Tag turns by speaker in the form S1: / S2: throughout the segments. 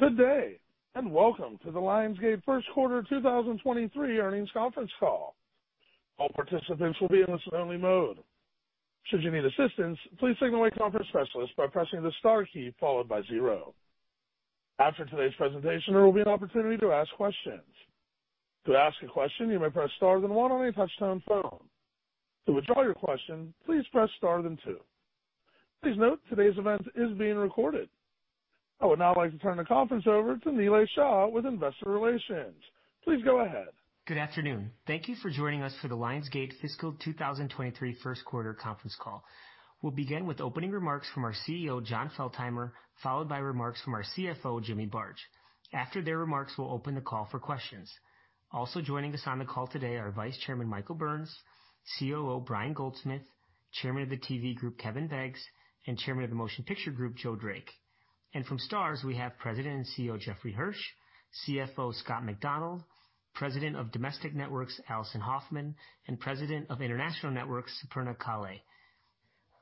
S1: Good day, and welcome to the Lionsgate first quarter 2023 earnings conference call. All participants will be in listen-only mode. Should you need assistance, please signal a conference specialist by pressing the star key followed by zero. After today's presentation, there will be an opportunity to ask questions. To ask a question, you may press star then one on a touch-tone phone. To withdraw your question, please press star then two. Please note today's event is being recorded. I would now like to turn the conference over to Nilay Shah with Investor Relations. Please go ahead.
S2: Good afternoon. Thank you for joining us for the Lionsgate fiscal 2023 first quarter conference call. We'll begin with opening remarks from our CEO, Jon Feltheimer, followed by remarks from our CFO, Jimmy Barge. After their remarks, we'll open the call for questions. Also joining us on the call today are Vice Chairman Michael Burns, COO Brian Goldsmith, Chairman of the TV group Kevin Beggs, and Chairman of the Motion Picture Group Joe Drake. From Starz, we have President and CEO Jeffrey Hirsch, CFO Scott MacDonald, President of Domestic Networks Alison Hoffman, and President of International Networks Suparna Kale.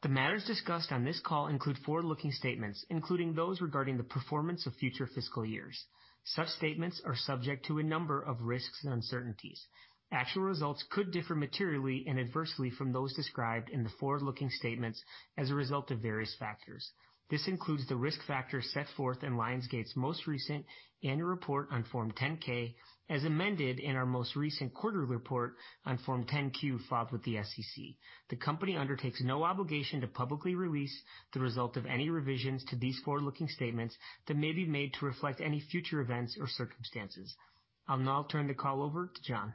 S2: The matters discussed on this call include forward-looking statements, including those regarding the performance of future fiscal years. Such statements are subject to a number of risks and uncertainties. Actual results could differ materially and adversely from those described in the forward-looking statements as a result of various factors. This includes the risk factors set forth in Lionsgate's most recent annual report on Form 10-K, as amended in our most recent quarterly report on Form 10-Q filed with the SEC. The company undertakes no obligation to publicly release the result of any revisions to these forward-looking statements that may be made to reflect any future events or circumstances. I'll now turn the call over to Jon.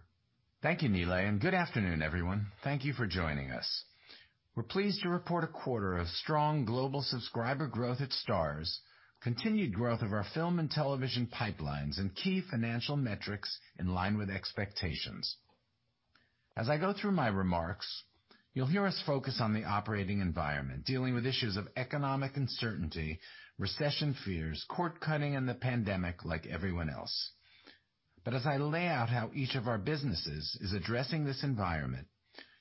S3: Thank you, Nilay. Good afternoon, everyone. Thank you for joining us. We're pleased to report a quarter of strong global subscriber growth at Starz, continued growth of our film and television pipelines and key financial metrics in line with expectations. As I go through my remarks, you'll hear us focus on the operating environment, dealing with issues of economic uncertainty, recession fears, cord cutting, and the pandemic like everyone else. As I lay out how each of our businesses is addressing this environment,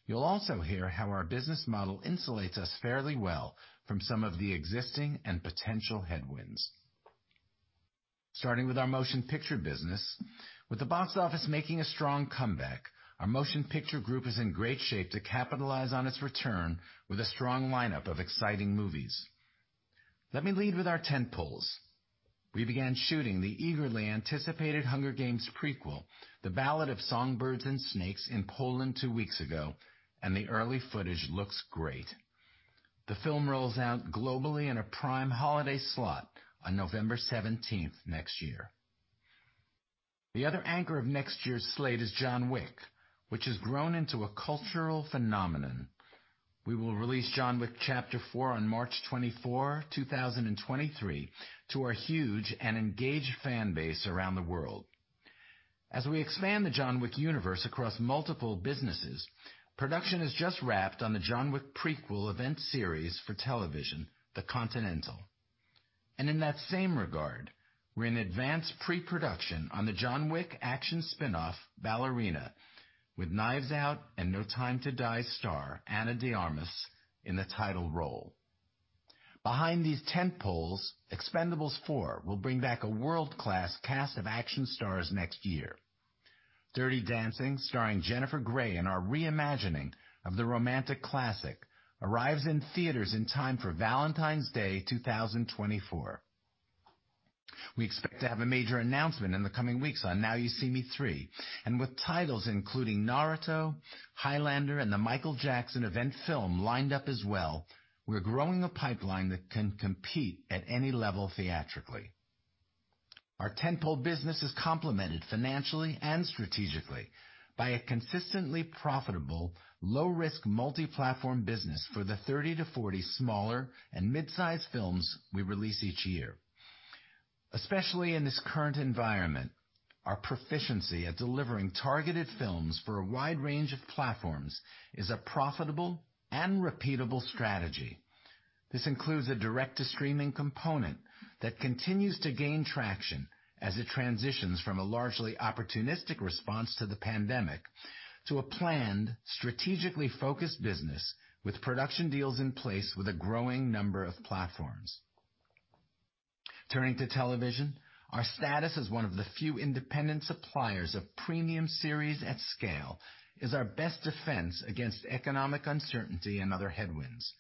S3: you'll also hear how our business model insulates us fairly well from some of the existing and potential headwinds. Starting with our motion picture business. With the box office making a strong comeback, our motion picture group is in great shape to capitalize on its return with a strong lineup of exciting movies. Let me lead with our tent poles. We began shooting the eagerly anticipated Hunger Games prequel, The Ballad of Songbirds and Snakes, in Poland two weeks ago, and the early footage looks great. The film rolls out globally in a prime holiday slot on November 17 next year. The other anchor of next year's slate is John Wick, which has grown into a cultural phenomenon. We will release John Wick Chapter 4 on March 24, 2023 to our huge and engaged fan base around the world. As we expand the John Wick universe across multiple businesses, production has just wrapped on the John Wick prequel event series for television, The Continental. In that same regard, we're in advance pre-production on the John Wick action spinoff Ballerina, with Knives Out and No Time to Die star Ana de Armas in the title role. Behind these tentpoles, Expend4bles will bring back a world-class cast of action stars next year. Dirty Dancing, starring Jennifer Grey, and our reimagining of the romantic classic, arrives in theaters in time for Valentine's Day 2024. We expect to have a major announcement in the coming weeks on Now You See Me 3. With titles including Naruto, Highlander, and the Michael Jackson event film lined up as well, we're growing a pipeline that can compete at any level theatrically. Our tentpole business is complemented financially and strategically by a consistently profitable, low-risk, multi-platform business for the 30-40 smaller and mid-size films we release each year. Especially in this current environment, our proficiency at delivering targeted films for a wide range of platforms is a profitable and repeatable strategy. This includes a direct-to-streaming component that continues to gain traction as it transitions from a largely opportunistic response to the pandemic to a planned, strategically focused business with production deals in place with a growing number of platforms. Turning to television, our status as one of the few independent suppliers of premium series at scale is our best defense against economic uncertainty and other headwinds.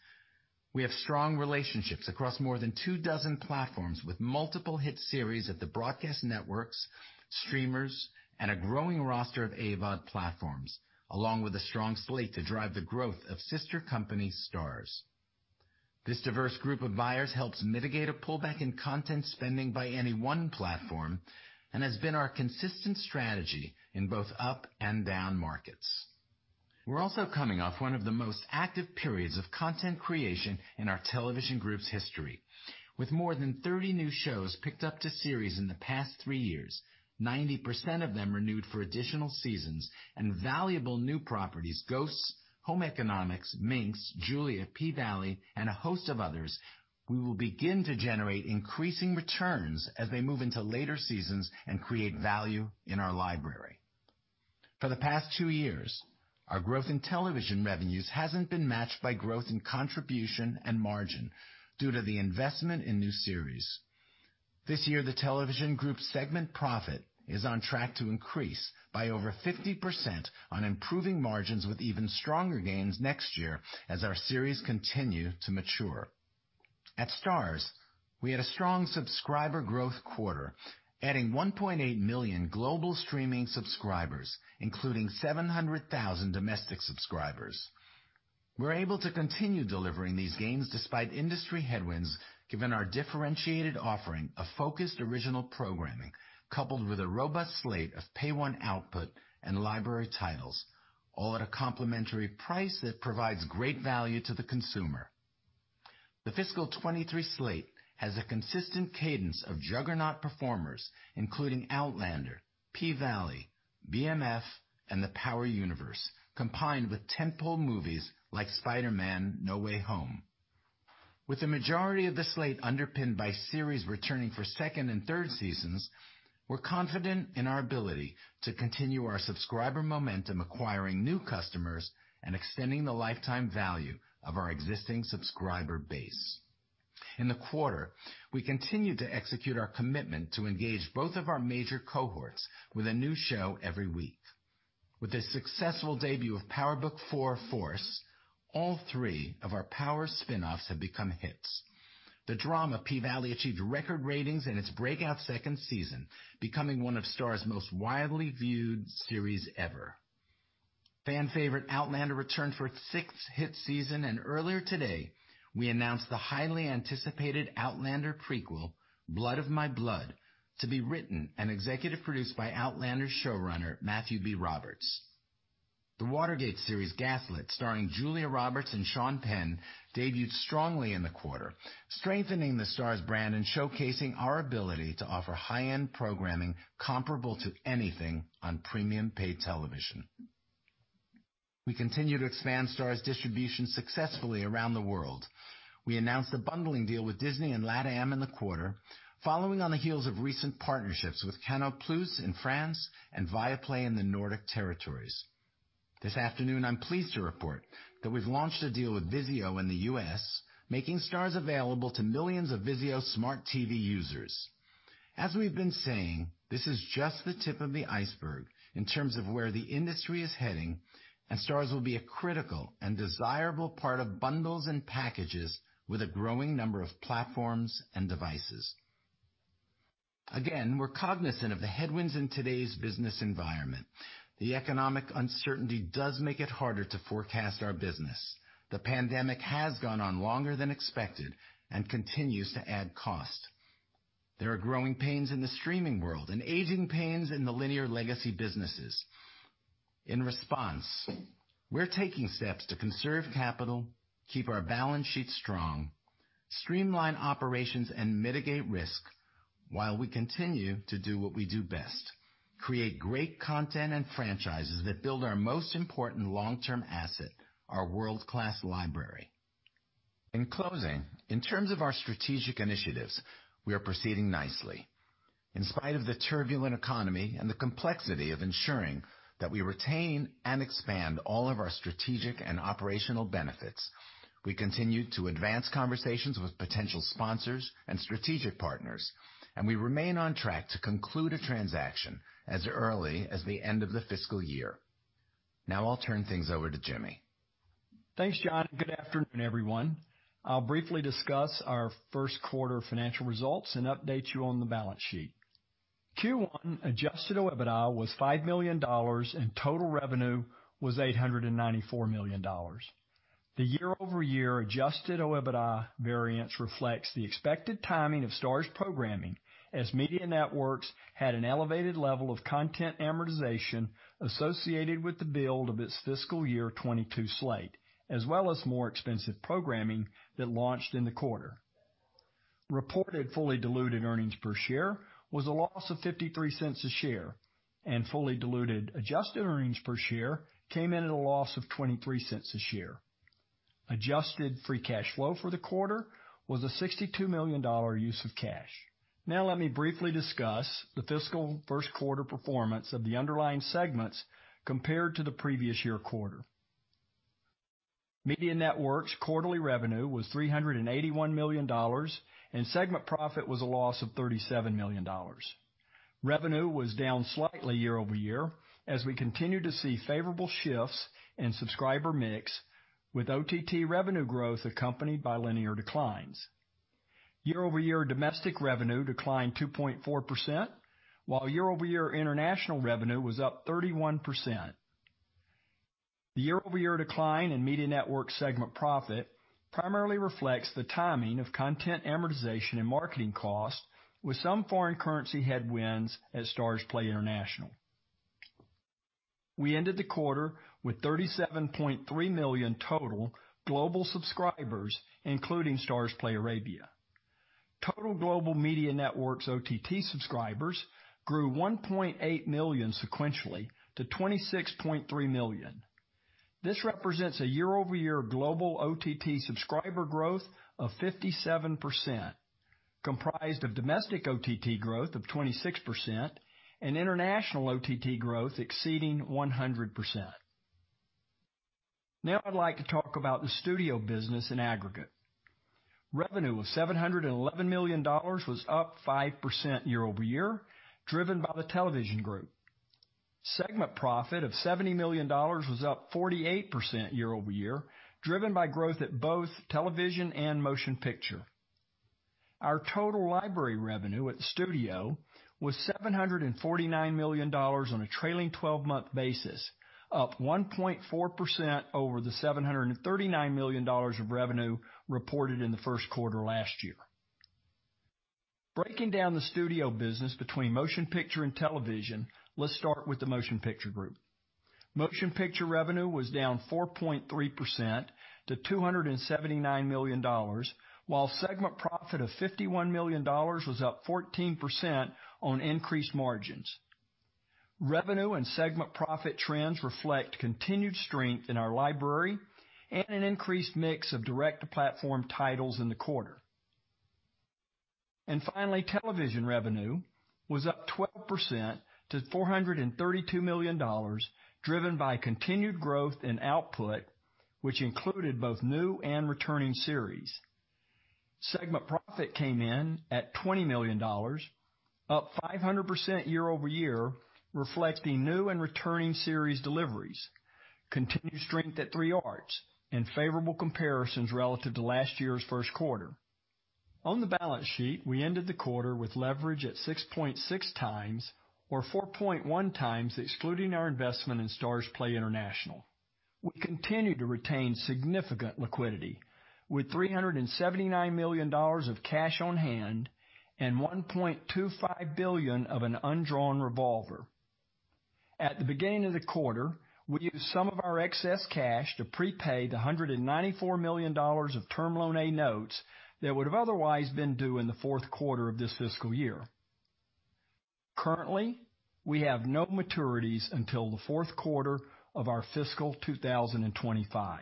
S3: We have strong relationships across more than two dozen platforms, with multiple hit series at the broadcast networks, streamers, and a growing roster of AVOD platforms, along with a strong slate to drive the growth of sister company Starz. This diverse group of buyers helps mitigate a pullback in content spending by any one platform and has been our consistent strategy in both up and down markets. We're also coming off one of the most active periods of content creation in our television group's history. With more than 30 new shows picked up to series in the past three years, 90% of them renewed for additional seasons and valuable new properties, Ghosts, Home Economics, Minx, Julia, P-Valley, and a host of others, we will begin to generate increasing returns as they move into later seasons and create value in our library. For the past two years, our growth in television revenues hasn't been matched by growth in contribution and margin due to the investment in new series. This year, the television group segment profit is on track to increase by over 50% on improving margins with even stronger gains next year as our series continue to mature. At Starz, we had a strong subscriber growth quarter, adding 1.8 million global streaming subscribers, including 700,000 domestic subscribers. We're able to continue delivering these gains despite industry headwinds, given our differentiated offering of focused original programming coupled with a robust slate of pay-one output and library titles, all at a complimentary price that provides great value to the consumer. The fiscal 2023 slate has a consistent cadence of juggernaut performers, including Outlander, P-Valley, BMF, and the Power Universe, combined with tent-pole movies like Spider-Man: No Way Home. With the majority of the slate underpinned by series returning for second and third seasons, we're confident in our ability to continue our subscriber momentum, acquiring new customers, and extending the lifetime value of our existing subscriber base. In the quarter, we continued to execute our commitment to engage both of our major cohorts with a new show every week. With the successful debut of Power Book IV: Force, all three of our Power spinoffs have become hits. The drama P-Valley achieved record ratings in its breakout second season, becoming one of Starz' most widely viewed series ever. Fan favorite Outlander returned for its sixth hit season, and earlier today, we announced the highly anticipated Outlander prequel, Blood of My Blood, to be written and executive produced by Outlander showrunner Matthew B. Roberts. The Watergate series, Gaslit, starring Julia Roberts and Sean Penn, debuted strongly in the quarter, strengthening the Starz brand and showcasing our ability to offer high-end programming comparable to anything on premium paid television. We continue to expand Starz distribution successfully around the world. We announced a bundling deal with Disney in LATAM in the quarter, following on the heels of recent partnerships with Canal+ in France and Viaplay in the Nordic territories. This afternoon, I'm pleased to report that we've launched a deal with Vizio in the U.S., making Starz available to millions of Vizio smart TV users. As we've been saying, this is just the tip of the iceberg in terms of where the industry is heading, and Starz will be a critical and desirable part of bundles and packages with a growing number of platforms and devices. We're cognizant of the headwinds in today's business environment. The economic uncertainty does make it harder to forecast our business. The pandemic has gone on longer than expected and continues to add cost. There are growing pains in the streaming world and aging pains in the linear legacy businesses. In response, we're taking steps to conserve capital, keep our balance sheet strong, streamline operations, and mitigate risk while we continue to do what we do best, create great content and franchises that build our most important long-term asset, our world-class library. In closing, in terms of our strategic initiatives, we are proceeding nicely. In spite of the turbulent economy and the complexity of ensuring that we retain and expand all of our strategic and operational benefits, we continue to advance conversations with potential sponsors and strategic partners, and we remain on track to conclude a transaction as early as the end of the fiscal year. Now I'll turn things over to Jimmy.
S4: Thanks, Jon. Good afternoon, everyone. I'll briefly discuss our first quarter financial results and update you on the balance sheet. Q1 Adjusted OIBDA was $5 million, and total revenue was $894 million. The year-over-year Adjusted OIBDA variance reflects the expected timing of Starz programming as Media Networks had an elevated level of content amortization associated with the build of its fiscal year 2022 slate, as well as more expensive programming that launched in the quarter. Reported fully diluted earnings per share was a loss of $0.53 a share, and fully diluted adjusted earnings per share came in at a loss of $0.23 a share. Adjusted free cash flow for the quarter was a $62 million use of cash. Now let me briefly discuss the fiscal first quarter performance of the underlying segments compared to the previous year quarter. Media Networks' quarterly revenue was $381 million, and segment profit was a loss of $37 million. Revenue was down slightly year-over-year as we continued to see favorable shifts in subscriber mix with OTT revenue growth accompanied by linear declines. Year-over-year domestic revenue declined 2.4%, while year-over-year international revenue was up 31%. The year-over-year decline in Media Networks segment profit primarily reflects the timing of content amortization and marketing costs with some foreign currency headwinds at Starzplay International. We ended the quarter with 37.3 million total global subscribers, including Starzplay Arabia. Total global Media Networks OTT subscribers grew 1.8 million sequentially to 26.3 million. This represents a year-over-year global OTT subscriber growth of 57%, comprised of domestic OTT growth of 26% and international OTT growth exceeding 100%. Now I'd like to talk about the studio business in aggregate. Revenue of $711 million was up 5% year-over-year, driven by the television group. Segment profit of $70 million was up 48% year-over-year, driven by growth at both television and motion picture. Our total library revenue at the studio was $749 million on a trailing 12-month basis, up 1.4% over the $739 million of revenue reported in the first quarter last year. Breaking down the studio business between motion picture and television, let's start with the motion picture group. Motion picture revenue was down 4.3% to $279 million, while segment profit of $51 million was up 14% on increased margins. Revenue and segment profit trends reflect continued strength in our library and an increased mix of direct-to-platform titles in the quarter. Finally, television revenue was up 12% to $432 million, driven by continued growth in output, which included both new and returning series. Segment profit came in at $20 million, up 500% year-over-year, reflecting new and returning series deliveries, continued strength at 3 Arts and favorable comparisons relative to last year's first quarter. On the balance sheet, we ended the quarter with leverage at 6.6x or 4.1x, excluding our investment in Starzplay International. We continue to retain significant liquidity with $379 million of cash on hand and $1.25 billion of an undrawn revolver. At the beginning of the quarter, we used some of our excess cash to prepay the $194 million of term loan A notes that would have otherwise been due in the fourth quarter of this fiscal year. Currently, we have no maturities until the fourth quarter of our fiscal 2025.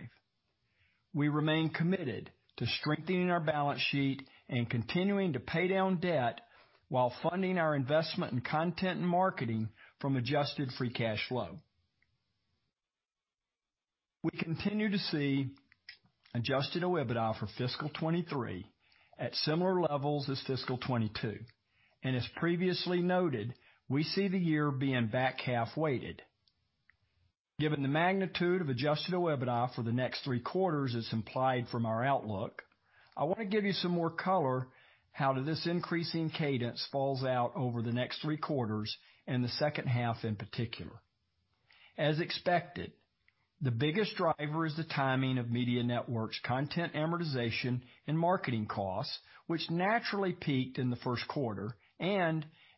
S4: We remain committed to strengthening our balance sheet and continuing to pay down debt while funding our investment in content and marketing from adjusted free cash flow. We continue to see Adjusted OIBDA for fiscal 2023 at similar levels as fiscal 2022. We see the year being back half-weighted. Given the magnitude of Adjusted OIBDA for the next three quarters as implied from our outlook, I want to give you some more color on how this increasing Cadence falls out over the next three quarters in the second half in particular. As expected, the biggest driver is the timing of Media Networks' content amortization and marketing costs, which naturally peaked in the first quarter and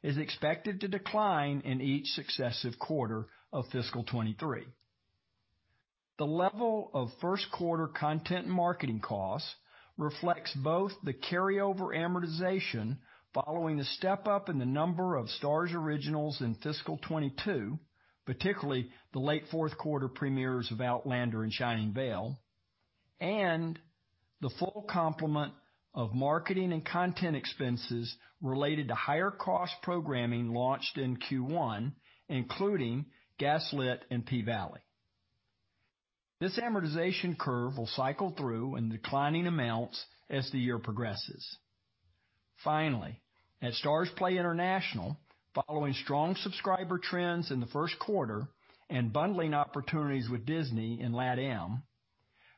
S4: is expected to decline in each successive quarter of fiscal 2023. The level of first quarter content and marketing costs reflects both the carryover amortization following the step-up in the number of Starz originals in fiscal 2022, particularly the late fourth quarter premieres of Outlander and Shining Vale, and the full complement of marketing and content expenses related to higher cost programming launched in Q1, including Gaslit and P-Valley. This amortization curve will cycle through in declining amounts as the year progresses. Finally, at Starzplay International, following strong subscriber trends in the first quarter and bundling opportunities with Disney in LATAM,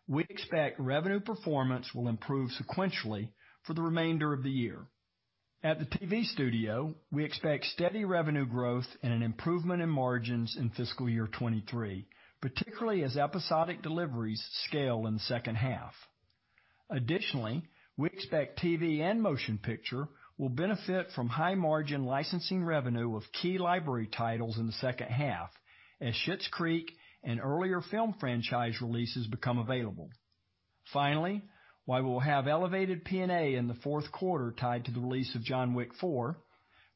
S4: we expect revenue performance will improve sequentially for the remainder of the year. At the TV studio, we expect steady revenue growth and an improvement in margins in fiscal year 2023, particularly as episodic deliveries scale in the second half. Additionally, we expect TV and motion picture will benefit from high-margin licensing revenue of key library titles in the second half as Schitt's Creek and earlier film franchise releases become available. Finally, while we'll have elevated P&A in the fourth quarter tied to the release of John Wick 4,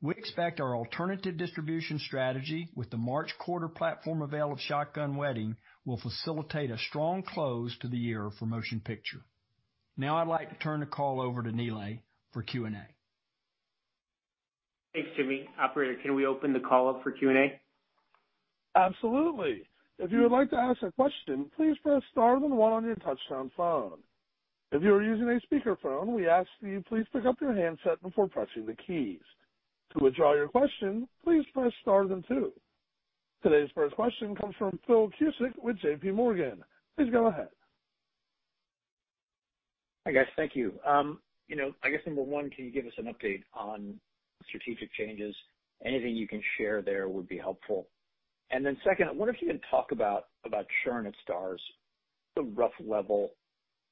S4: we expect our alternative distribution strategy with the March quarter platform avail of Shotgun Wedding will facilitate a strong close to the year for motion picture. Now I'd like to turn the call over to Nilay for Q&A.
S2: Thanks, Jimmy. Operator, can we open the call up for Q&A?
S1: Absolutely. If you would like to ask a question, please press star then one on your touch-tone phone. If you are using a speakerphone, we ask that you please pick up your handset before pressing the keys. To withdraw your question, please press star then two. Today's first question comes from Philip Cusick with JPMorgan. Please go ahead.
S5: Hi, guys. Thank you. I guess number one, can you give us an update on strategic changes? Anything you can share there would be helpful. Then second, I wonder if you can talk about churn at Starz, the rough level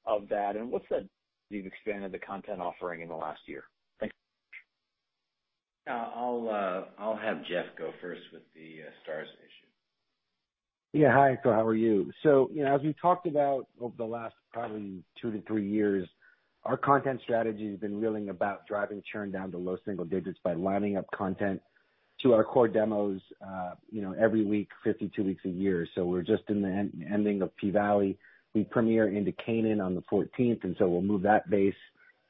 S5: of that, and what's that you've expanded the content offering in the last year? Thanks.
S3: I'll have Jeff go first with the Starz issue.
S6: Yeah. Hi, Philip, how are you? You know, as we talked about over the last probably two-three years, our content strategy has been really about driving churn down to low single digits by lining up content. To our core demos, you know, every week, 52 weeks a year. We're just in the ending of P-Valley. We premiere Raising Kanan on the 14th, and we'll move that base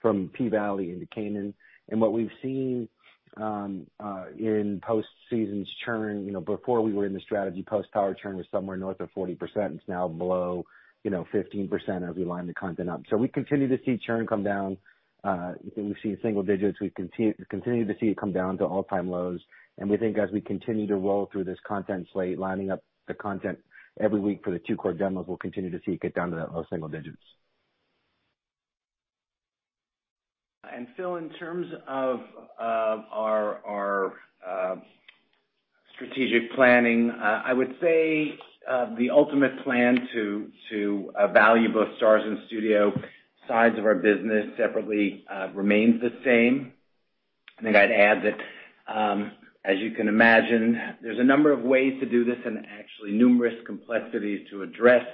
S6: from P-Valley into Raising Kanan. What we've seen in post-season churn, you know, before we were in the strategy, post-Power churn was somewhere north of 40%. It's now below, you know, 15% as we line the content up. We continue to see churn come down. We've seen single digits. We continue to see it come down to all-time lows. We think as we continue to roll through this content slate, lining up the content every week for the two core demos, we'll continue to see it get down to the low single digits.
S3: Phil, in terms of our strategic planning, I would say the ultimate plan to value both Starz and Studio sides of our business separately remains the same. I think I'd add that, as you can imagine, there's a number of ways to do this and actually numerous complexities to address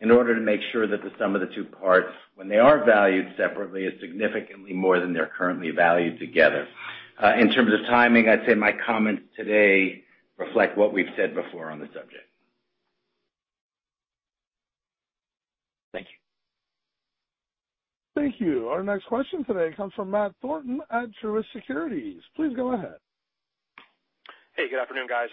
S3: in order to make sure that the sum of the two parts, when they are valued separately, is significantly more than they're currently valued together. In terms of timing, I'd say my comments today reflect what we've said before on the subject.
S5: Thank you.
S1: Thank you. Our next question today comes from Matt Thornton at Truist Securities. Please go ahead.
S7: Hey, good afternoon, guys.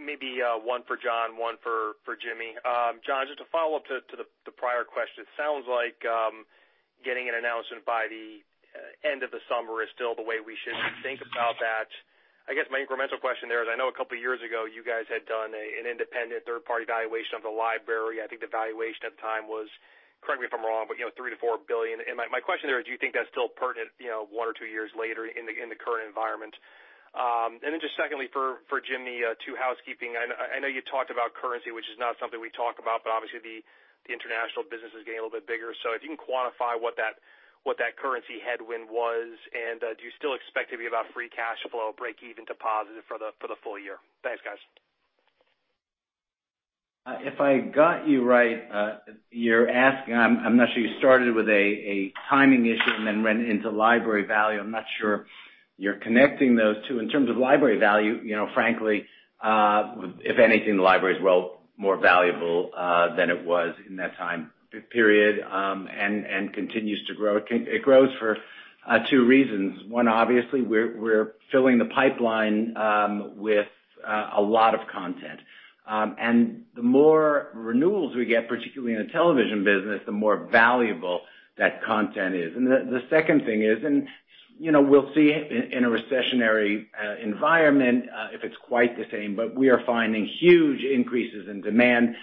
S7: Maybe one for Jon, one for Jimmy. Jon, just to follow up to the prior question. It sounds like getting an announcement by the end of the summer is still the way we should think about that. I guess my incremental question there is, I know a couple of years ago, you guys had done an independent third-party valuation of the library. I think the valuation at the time was, correct me if I'm wrong, but you know, $3 billion-$4 billion. And my question there is, do you think that's still pertinent, you know, one or two years later in the current environment? And then just secondly, for Jimmy, two housekeeping. I know you talked about currency, which is not something we talk about, but obviously the international business is getting a little bit bigger. If you can quantify what that currency headwind was, and do you still expect to be about free cash flow, break even to positive for the full year? Thanks, guys.
S3: If I got you right, I'm not sure you started with a timing issue and then went into library value. I'm not sure you're connecting those two. In terms of library value, you know, frankly, if anything, the library is well more valuable than it was in that time period, and continues to grow. It grows for two reasons. One, obviously, we're filling the pipeline with a lot of content. And the more renewals we get, particularly in the television business, the more valuable that content is. The second thing is, you know, we'll see in a recessionary environment if it's quite the same, but we are finding huge increases in demand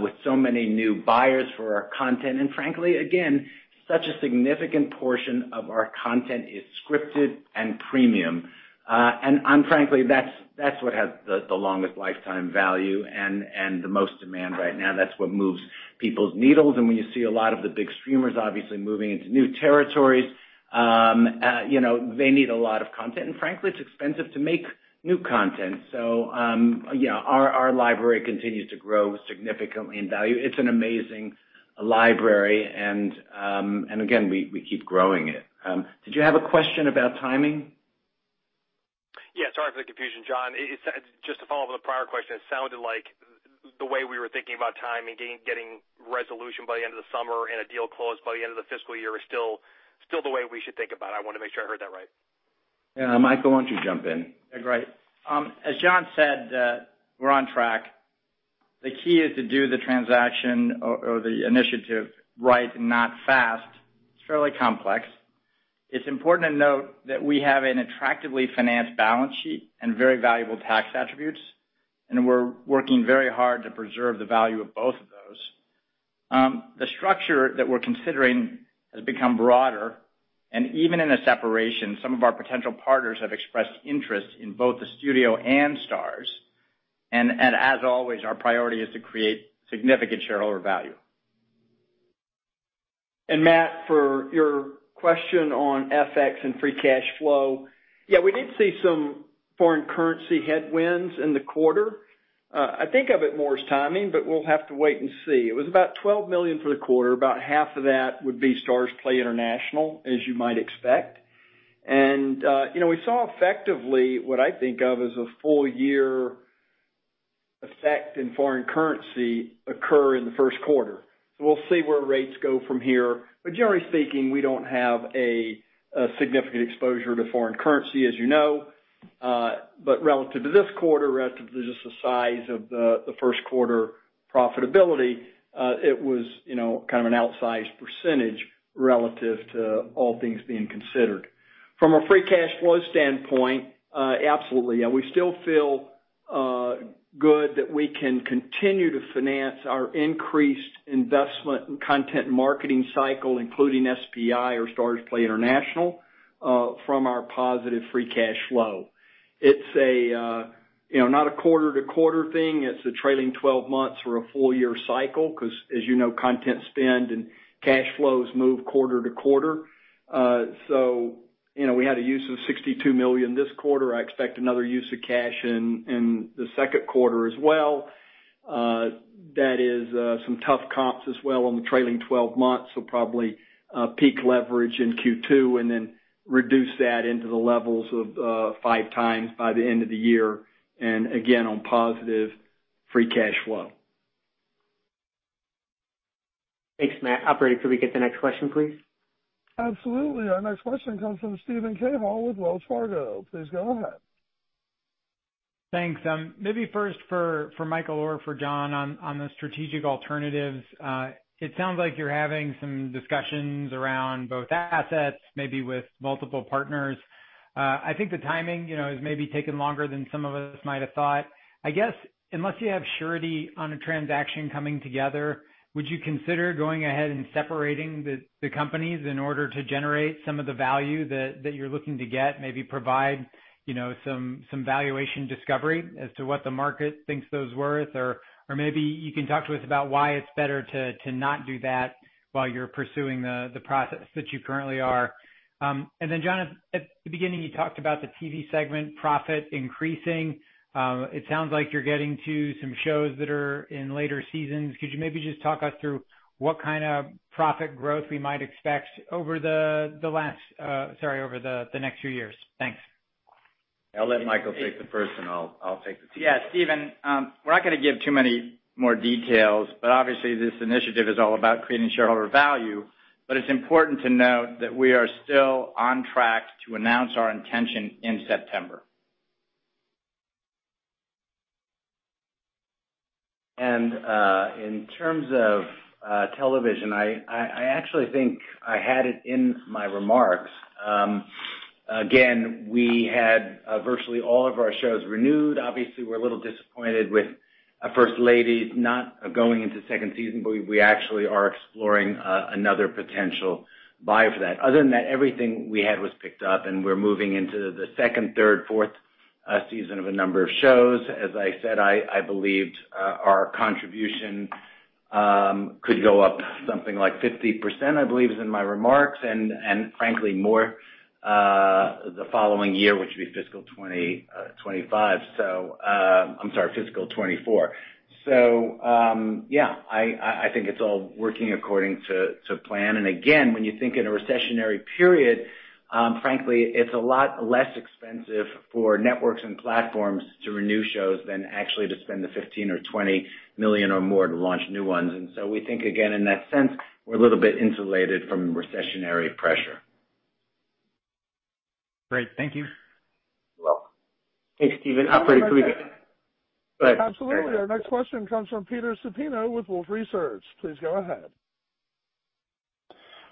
S3: with so many new buyers for our content. Frankly, again, such a significant portion of our content is scripted and premium. I'm frankly, that's what has the longest lifetime value and the most demand right now. That's what moves people's needles. When you see a lot of the big streamers obviously moving into new territories, you know, they need a lot of content. Frankly, it's expensive to make new content. You know, our library continues to grow significantly in value. It's an amazing library and again, we keep growing it. Did you have a question about timing?
S7: Yeah, sorry for the confusion, Jon. Just to follow up on the prior question, it sounded like the way we were thinking about timing, getting resolution by the end of the summer and a deal closed by the end of the fiscal year is still the way we should think about it. I want to make sure I heard that right.
S3: Yeah. Michael, why don't you jump in?
S8: Great. As Jon said, we're on track. The key is to do the transaction or the initiative right and not fast. It's fairly complex. It's important to note that we have an attractively financed balance sheet and very valuable tax attributes, and we're working very hard to preserve the value of both of those. The structure that we're considering has become broader, and even in a separation, some of our potential partners have expressed interest in both the Studio and Starz. As always, our priority is to create significant shareholder value.
S4: Matt, for your question on FX and free cash flow, yeah, we did see some foreign currency headwinds in the quarter. I think of it more as timing, but we'll have to wait and see. It was about $12 million for the quarter. About half of that would be Starzplay International, as you might expect. You know, we saw effectively what I think of as a full year effect in foreign currency occur in the first quarter. So we'll see where rates go from here. But generally speaking, we don't have a significant exposure to foreign currency, as you know. But relative to this quarter, relative to just the size of the first quarter profitability, it was, you know, kind of an outsized percentage relative to all things being considered. From a free cash flow standpoint, absolutely, yeah. We still feel good that we can continue to finance our increased investment in content marketing cycle, including SPI or Starzplay International, from our positive free cash flow. It's a, you know, not a quarter-to-quarter thing. It's a trailing 12 months or a full year cycle because, as you know, content spend and cash flows move quarter to quarter. You know, we had a use of $62 million this quarter. I expect another use of cash in the second quarter as well. That is some tough comps as well on the trailing 12 months. Probably, peak leverage in Q2, and then reduce that into the levels of 5x by the end of the year. Again, on positive free cash flow.
S2: Thanks, Matt. Operator, could we get the next question, please?
S1: Absolutely. Our next question comes from Steven Cahall with Wells Fargo. Please go ahead.
S9: Thanks. Maybe first for Michael or for Jon on the strategic alternatives. It sounds like you're having some discussions around both assets, maybe with multiple partners. I think the timing, you know, has maybe taken longer than some of us might have thought. I guess, unless you have surety on a transaction coming together, would you consider going ahead and separating the companies in order to generate some of the value that you're looking to get, maybe provide, you know, some valuation discovery as to what the market thinks those are worth? Or maybe you can talk to us about why it's better to not do that while you're pursuing the process that you currently are. Then Jon, at the beginning, you talked about the TV segment profit increasing. It sounds like you're getting to some shows that are in later seasons. Could you maybe just talk us through what kinda profit growth we might expect over the next few years? Thanks.
S3: I'll let Michael take the first and I'll take the second.
S8: Yeah, Steven, we're not gonna give too many more details, but obviously this initiative is all about creating shareholder value. It's important to note that we are still on track to announce our intention in September.
S3: In terms of television, I actually think I had it in my remarks. Again, we had virtually all of our shows renewed. Obviously, we're a little disappointed with The First Lady not going into second season, but we actually are exploring another potential buyer for that. Other than that, everything we had was picked up, and we're moving into the second, third, fourth season of a number of shows. As I said, I believed our contribution could go up something like 50%, I believe is in my remarks, and frankly, more the following year, which would be fiscal 2025. I'm sorry, fiscal 2024. Yeah, I think it's all working according to plan. When you think in a recessionary period, frankly, it's a lot less expensive for networks and platforms to renew shows than actually to spend the $15 million or $20 million or more to launch new ones. We think, again, in that sense, we're a little bit insulated from recessionary pressure.
S9: Great. Thank you.
S3: You're welcome.
S2: Thanks, Steven.
S1: Absolutely.
S2: Go ahead.
S1: Absolutely. Our next question comes from Peter Supino with Wolfe Research. Please go ahead.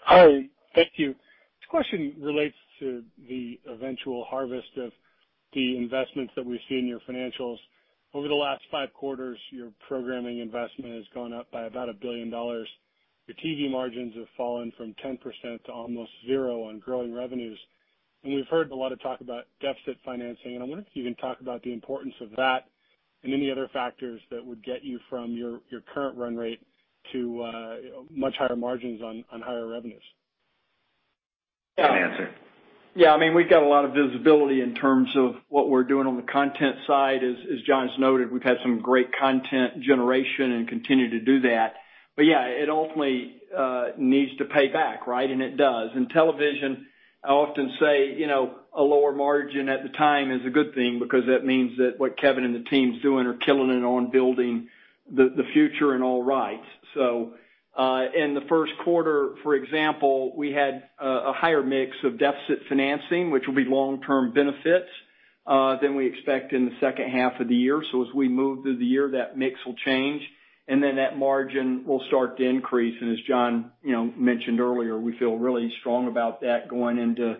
S10: Hi. Thank you. This question relates to the eventual harvest of the investments that we see in your financials. Over the last five quarters, your programming investment has gone up by about $1 billion. Your TV margins have fallen from 10% to almost 0% on growing revenues. We've heard a lot of talk about deficit financing, and I wonder if you can talk about the importance of that and any other factors that would get you from your current run rate to much higher margins on higher revenues.
S3: You wanna answer?
S4: Yeah. I mean, we've got a lot of visibility in terms of what we're doing on the content side. As Jon's noted, we've had some great content generation and continue to do that. Yeah, it ultimately needs to pay back, right? It does. In television, I often say, you know, a lower margin at the time is a good thing because that means that what Kevin and the team is doing are killing it on building the future in all rights. In the first quarter, for example, we had a higher mix of deficit financing, which will be long-term benefits than we expect in the second half of the year. As we move through the year, that mix will change, and then that margin will start to increase. As Jon, you know, mentioned earlier, we feel really strong about that going into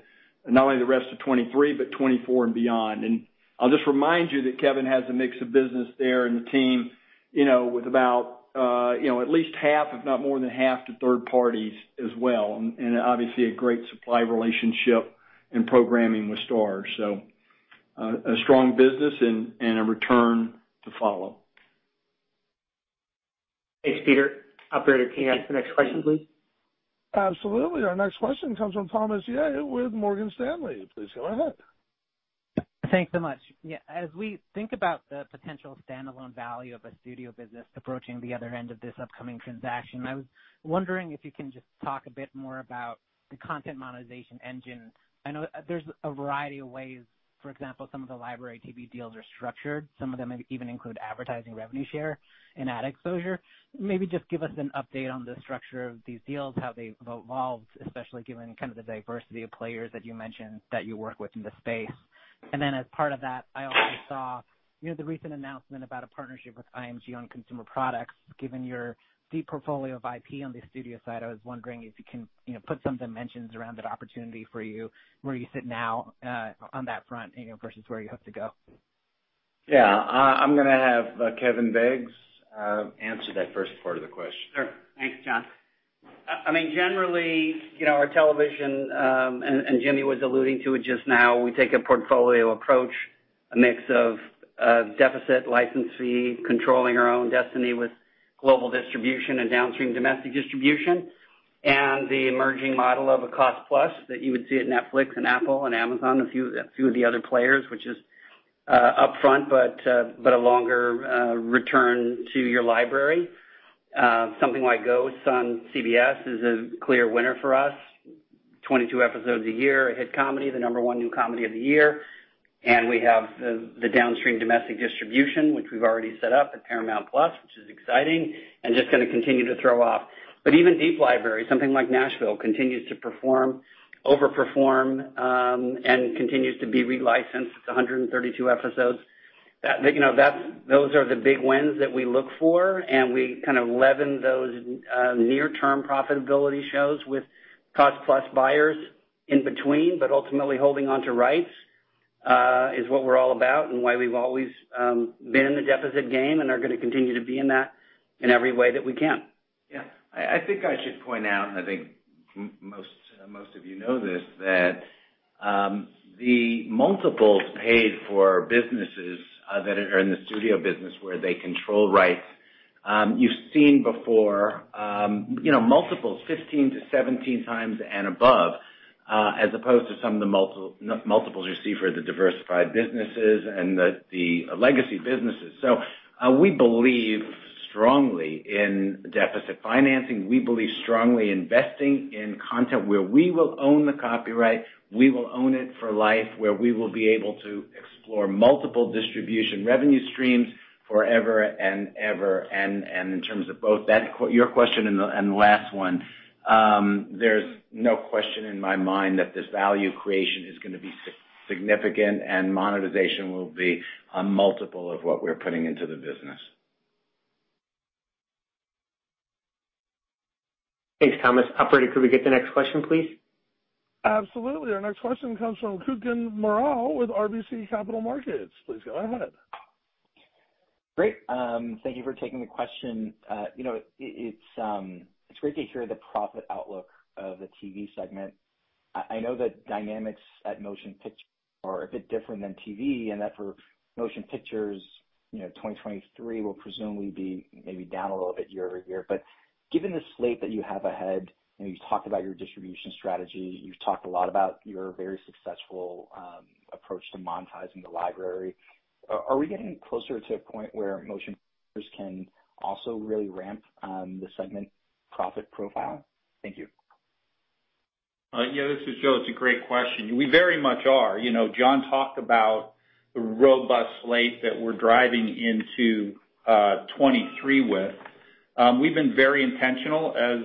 S4: not only the rest of 2023, but 2024 and beyond. I'll just remind you that Kevin has a mix of business there and the team, you know, with about, you know, at least half, if not more than half to third parties as well, and obviously a great supply relationship in programming with Starz. So, a strong business and a return to follow.
S2: Thanks, Peter. Operator, can you ask the next question, please?
S1: Absolutely. Our next question comes from Thomas Yeh with Morgan Stanley. Please go ahead.
S11: Thanks so much. Yeah, as we think about the potential standalone value of a studio business approaching the other end of this upcoming transaction, I was wondering if you can just talk a bit more about the content monetization engine. I know there's a variety of ways. For example, some of the library TV deals are structured. Some of them even include advertising revenue share and ad exposure. Maybe just give us an update on the structure of these deals, how they've evolved, especially given kind of the diversity of players that you mentioned that you work with in the space. As part of that, I also saw, you know, the recent announcement about a partnership with IMG on consumer products. Given your deep portfolio of IP on the studio side, I was wondering if you can, you know, put some dimensions around that opportunity for you where you sit now, on that front, you know, versus where you have to go.
S3: Yeah. I'm gonna have Kevin Beggs answer that first part of the question.
S11: Sure. Thanks, Jon.
S12: I mean, generally, you know, our television, and Jimmy was alluding to it just now, we take a portfolio approach, a mix of, deficit, licensee, controlling our own destiny with. Global distribution and downstream domestic distribution and the emerging model of a cost-plus that you would see at Netflix and Apple and Amazon, a few of the other players, which is upfront, but a longer return to your library. Something like Ghosts on CBS is a clear winner for us. 22 episodes a year, a hit comedy, the number one new comedy of the year. We have the downstream domestic distribution, which we've already set up at Paramount+, which is exciting and just gonna continue to throw off. Even deep library, something like Nashville, continues to perform, outperform, and continues to be re-licensed. It's 132 episodes. That, you know, those are the big wins that we look for, and we kind of leaven those near-term profitability shows with cost-plus buyers in between. Ultimately, holding onto rights is what we're all about and why we've always been in the deficit game and are gonna continue to be in that in every way that we can.
S3: Yeah. I think I should point out, and I think most of you know this, that the multiples paid for businesses that are in the studio business where they control rights you've seen before, you know, multiples 15x-17x and above, as opposed to some of the multiples you see for the diversified businesses and the legacy businesses. We believe strongly in deficit financing. We believe strongly investing in content where we will own the copyright, we will own it for life, where we will be able to explore multiple distribution revenue streams forever and ever. In terms of both that question and the last one, there's no question in my mind that this value creation is gonna be significant, and monetization will be a multiple of what we're putting into the business.
S2: Thanks, Thomas. Operator, could we get the next question, please?
S1: Absolutely. Our next question comes from Kutgun Maral with RBC Capital Markets. Please go ahead.
S13: Great. Thank you for taking the question. You know, it's great to hear the profit outlook of the TV segment. I know that dynamics at Motion Pictures are a bit different than TV, and that for Motion Pictures, you know, 2023 will presumably be maybe down a little bit year-over-year. Given the slate that you have ahead, and you've talked about your distribution strategy, you've talked a lot about your very successful approach to monetizing the library, are we getting closer to a point where Motion Pictures can also really ramp the segment profit profile? Thank you.
S14: Yeah, this is Joe. It's a great question. We very much are. You know, Jon talked about the robust slate that we're driving into 2023 with. We've been very intentional as,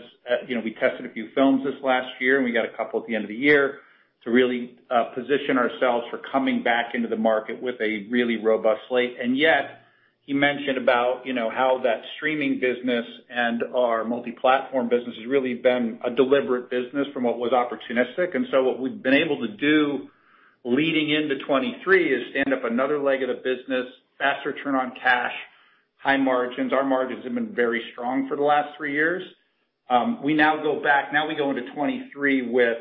S14: you know, we tested a few films this last year, and we got a couple at the end of the year to really position ourselves for coming back into the market with a really robust slate. Yet, he mentioned about, you know, how that streaming business and our multi-platform business has really been a deliberate business from what was opportunistic. What we've been able to do leading into 2023 is stand up another leg of the business, fast return on cash, high margins. Our margins have been very strong for the last three years. We go into 2023 with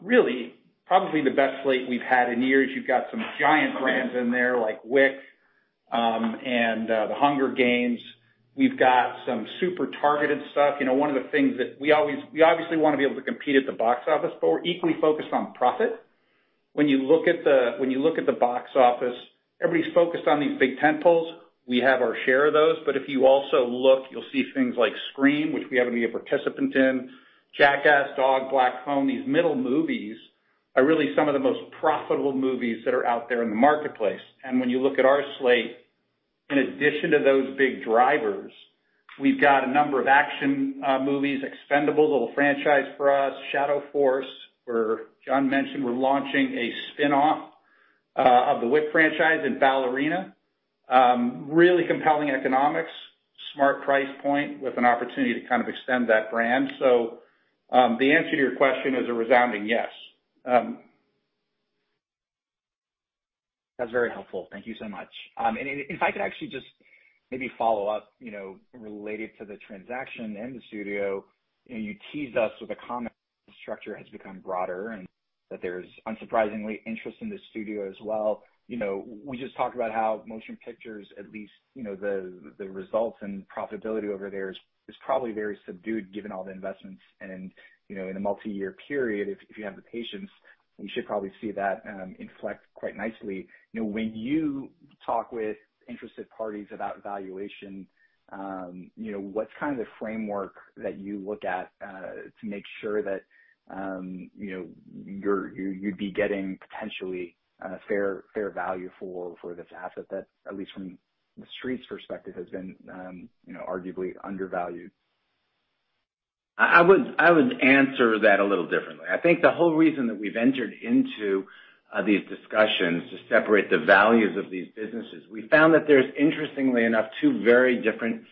S14: really probably the best slate we've had in years. You've got some giant brands in there like Wick and The Hunger Games. We've got some super targeted stuff. You know, one of the things that we obviously wanna be able to compete at the box office, but we're equally focused on profit. When you look at the box office, everybody's focused on these big tent poles. We have our share of those. But if you also look, you'll see things like Scream, which we happen to be a participant in. Jackass, Dog, Black Phone, these middle movies are really some of the most profitable movies that are out there in the marketplace. When you look at our slate, in addition to those big drivers, we've got a number of action movies, Expendables, little franchise for us, Shadow Force, where Jon mentioned we're launching a spin-off of the Wick franchise in Ballerina. Really compelling economics, smart price point with an opportunity to kind of extend that brand. The answer to your question is a resounding yes.
S13: That's very helpful. Thank you so much. If I could actually just maybe follow up, you know, related to the transaction and the studio, and you teased us with a comment. Structure has become broader and that there's unsurprisingly interest in the studio as well. You know, we just talked about how Motion Pictures, at least, you know, the results and profitability over there is probably very subdued given all the investments. You know, in a multi-year period, if you have the patience, you should probably see that inflect quite nicely. You know, when you talk with interested parties about valuation, you know, what's kind of the framework that you look at to make sure that, you know, you'd be getting potentially fair value for this asset that at least from the street's perspective, has been, you know, arguably undervalued?
S3: I would answer that a little differently. I think the whole reason that we've entered into these discussions to separate the values of these businesses, we found that there's, interestingly enough, two very different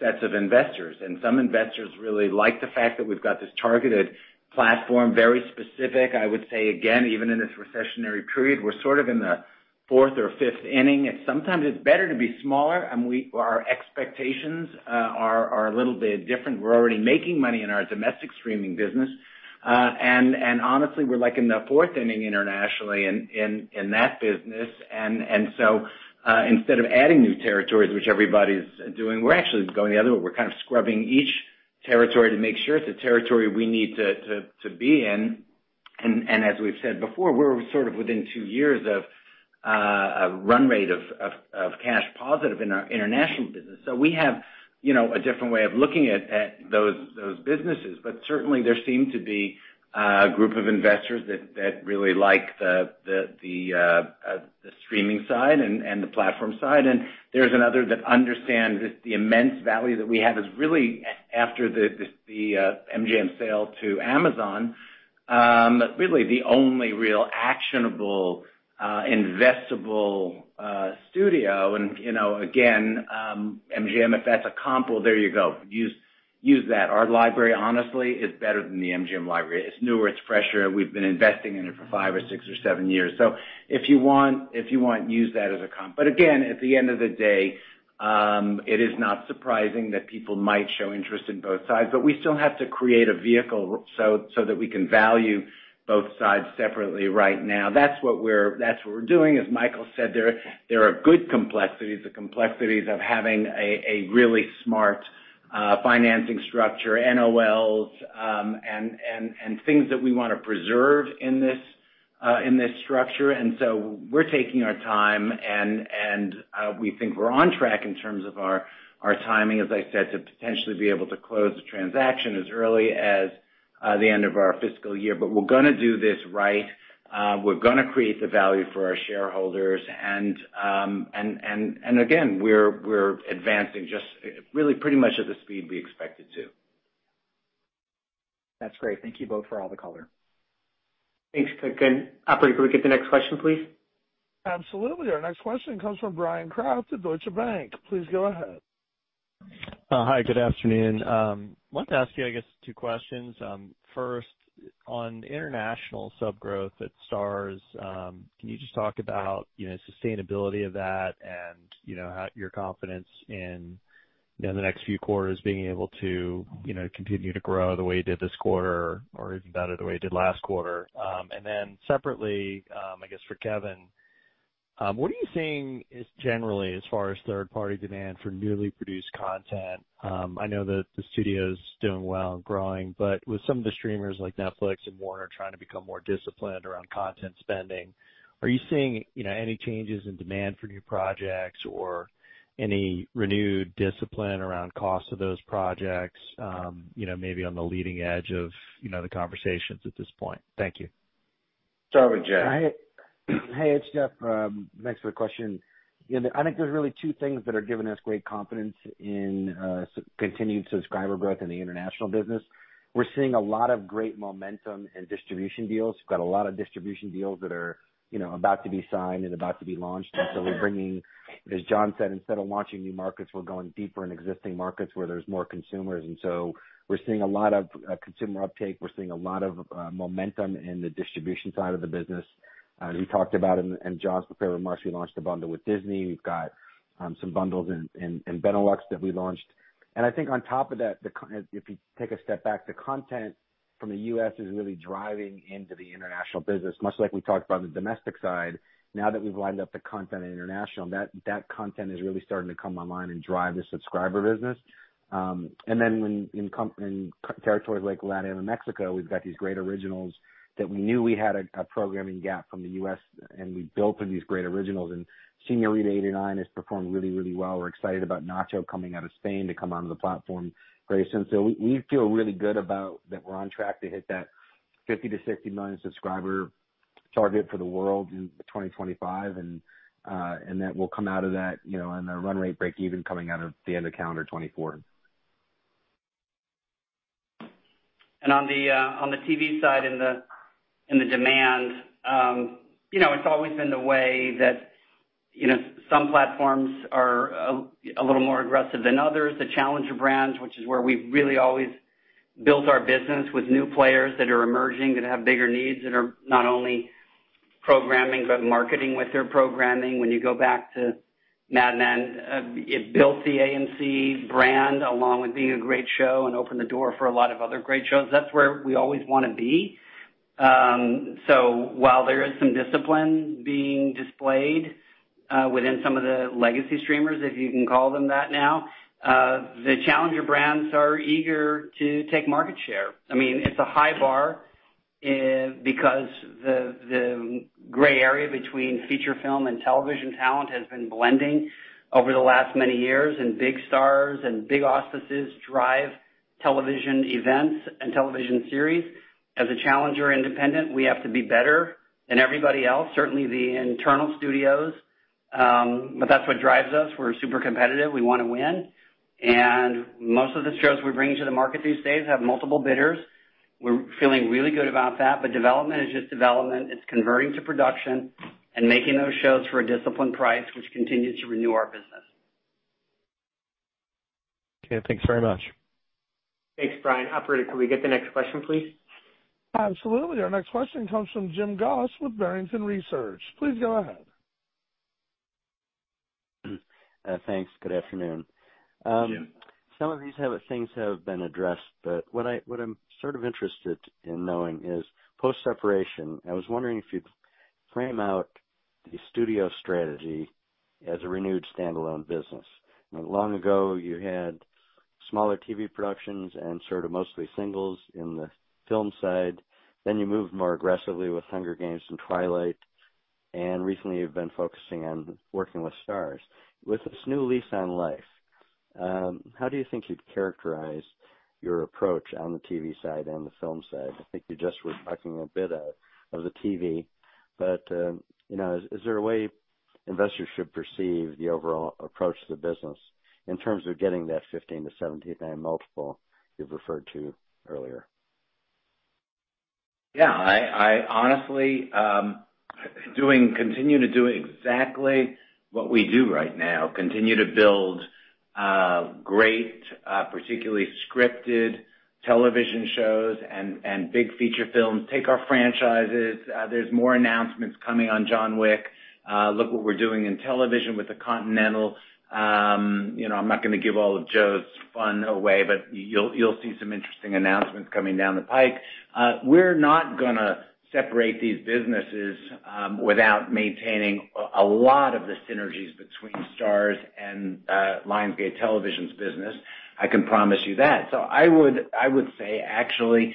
S3: sets of investors. Some investors really like the fact that we've got this targeted platform, very specific. I would say again, even in this recessionary period, we're sort of in the fourth or fifth inning, and sometimes it's better to be smaller, and our expectations are a little bit different. We're already making money in our domestic streaming business. Honestly, we're like in the fourth inning internationally in that business. Instead of adding new territories, which everybody's doing, we're actually going the other way. We're kind of scrubbing each territory to make sure it's a territory we need to be in. As we've said before, we're sort of within two years of a run rate of cash positive in our international business. We have, you know, a different way of looking at those businesses. Certainly there seem to be a group of investors that really like the streaming side and the platform side. There's another that understands that the immense value that we have is really after the MGM sale to Amazon, really the only real actionable investable studio. You know, again, MGM, if that's a comp, well, there you go. Use that. Our library, honestly, is better than the MGM library. It's newer, it's fresher. We've been investing in it for five or six or seven years. If you want, use that as a comp. Again, at the end of the day, it is not surprising that people might show interest in both sides, but we still have to create a vehicle so that we can value both sides separately right now. That's what we're doing. As Michael said, there are good complexities. The complexities of having a really smart financing structure, NOLs, and things that we wanna preserve in this structure. We're taking our time and we think we're on track in terms of our timing, as I said, to potentially be able to close the transaction as early as the end of our fiscal year. We're gonna do this right. We're gonna create the value for our shareholders. Again, we're advancing just really pretty much at the speed we expected to.
S13: That's great. Thank you both for all the color.
S2: Thanks. Kutgun, Operator can we get the next question, please?
S1: Absolutely. Our next question comes from Bryan Kraft at Deutsche Bank. Please go ahead.
S15: Hi, good afternoon. Wanted to ask you, I guess two questions. First, on international sub growth at Starz, can you just talk about, you know, sustainability of that and, you know, how your confidence in the next few quarters being able to, you know, continue to grow the way you did this quarter or even better the way you did last quarter? Separately, I guess for Kevin, what are you seeing is generally as far as third party demand for newly produced content? I know that the studio's doing well and growing, but with some of the streamers like Netflix and Warner trying to become more disciplined around content spending, are you seeing, you know, any changes in demand for new projects or any renewed discipline around cost of those projects, you know, maybe on the leading edge of, you know, the conversations at this point? Thank you.
S3: Start with Jeff.
S6: Hey. Hey, it's Jeff. Thanks for the question. You know, I think there's really two things that are giving us great confidence in continued subscriber growth in the international business. We're seeing a lot of great momentum in distribution deals. We've got a lot of distribution deals that are, you know, about to be signed and about to be launched. We're bringing, as Jon said, instead of launching new markets, we're going deeper in existing markets where there's more consumers. We're seeing a lot of consumer uptake. We're seeing a lot of momentum in the distribution side of the business. We talked about, in Jon's prepared remarks, we launched a bundle with Disney. We've got some bundles in Benelux that we launched. I think on top of that, if you take a step back, the content from the U.S. is really driving into the international business. Much like we talked about on the domestic side, now that we've lined up the content in international, that content is really starting to come online and drive the subscriber business. In territories like Latin America, Mexico, we've got these great originals that we knew we had a programming gap from the U.S., and we built in these great originals. Señorita 89 has performed really, really well. We're excited about Nacho coming out of Spain to come onto the platform very soon. We feel really good about that we're on track to hit that 50-60 million subscriber target for the world in 2025, and and that we'll come out of that, you know, on a run rate breakeven coming out of the end of calendar 2024.
S12: On the TV side and the demand, you know, it's always been the way that, you know, some platforms are a little more aggressive than others. The challenger brands, which is where we've really always built our business with new players that are emerging, that have bigger needs, that are not only programming but marketing with their programming. When you go back to Mad Men, it built the AMC brand along with being a great show and opened the door for a lot of other great shows. That's where we always wanna be. While there is some discipline being displayed within some of the legacy streamers, if you can call them that now, the challenger brands are eager to take market share. I mean, it's a high bar, because the gray area between feature film and television talent has been blending over the last many years, and big stars and big auspices drive television events and television series. As a challenger independent, we have to be better than everybody else, certainly the internal studios. That's what drives us. We're super competitive. We wanna win. Most of the shows we're bringing to the market these days have multiple bidders. We're feeling really good about that. Development is just development. It's converting to production and making those shows for a disciplined price which continues to renew our business.
S15: Okay, thanks very much.
S3: Thanks, Bryan. Operator, could we get the next question, please?
S1: Absolutely. Our next question comes from Jim Goss with Barrington Research. Please go ahead.
S16: Thanks. Good afternoon.
S3: Jim.
S16: Some of these things have been addressed, but what I'm sort of interested in knowing is post-separation, I was wondering if you could frame out the studio strategy as a renewed standalone business. Not long ago, you had smaller TV productions and sort of mostly singles in the film side. Then you moved more aggressively with Hunger Games and Twilight, and recently you've been focusing on working with Starz. With this new lease on life, how do you think you'd characterize your approach on the TV side and the film side? I think you just were talking a bit about the TV, but, you know, is there a way investors should perceive the overall approach to the business in terms of getting that 15-17x multiple you referred to earlier?
S3: Yeah, I honestly continue to do exactly what we do right now. Continue to build great, particularly scripted television shows and big feature films. Take our franchises. There's more announcements coming on John Wick. Look what we're doing in television with The Continental. You know, I'm not gonna give all of Joe's fun away, but you'll see some interesting announcements coming down the pike. We're not gonna separate these businesses without maintaining a lot of the synergies between Starz and Lionsgate Television's business. I can promise you that. I would say actually,